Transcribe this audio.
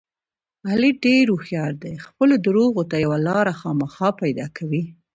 علي ډېر هوښیار دی خپلو درغو ته یوه لاره خامخا پیدا کوي.